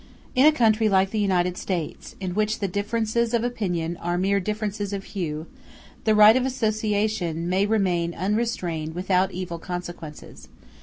In a country like the United States, in which the differences of opinion are mere differences of hue, the right of association may remain unrestrained without evil consequences.